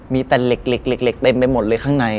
มีแต่เหล็กเต็มไปหมดเลยข้างใน